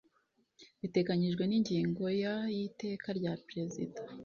biteganyijwe n ingingo ya y iteka rya perezida